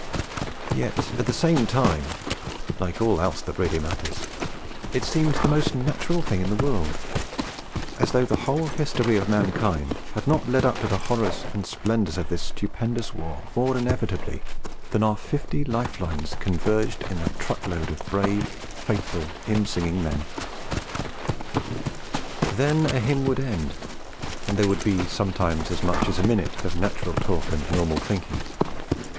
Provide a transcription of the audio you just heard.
Yet at the same time, like all else that really matters, it seemed the most natural thing in the world: as though the whole history of mankind had not led up to the horrors and splendours of this stupendous war more inevitably than our fifty life lines converged in that truck load of brave, faithful, hymn singing men. Then a hymn would end, and there would be sometimes as much as a minute of natural talk and normal thinking.